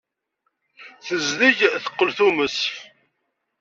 Tezdeg teqqel tumes.